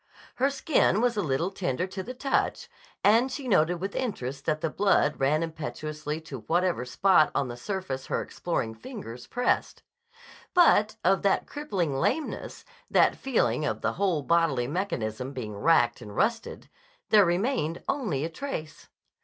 Her skin was a little tender to the touch, and she noted with interest that the blood ran impetuously to whatever spot on the surface her exploring fingers pressed. But of that crippling lameness, that feeling of the whole bodily mechanism being racked and rusted, there remained only a trace.